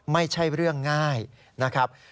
ไม่ใช่เรื่องง่ายนะครับ